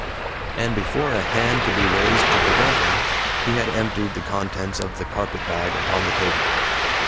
And before a hand could be raised to prevent him, he had emptied the contents of the carpetbag upon the table.